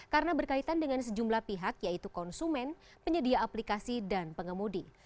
karena berkaitan dengan sejumlah pihak yaitu konsumen penyedia aplikasi dan pengemudi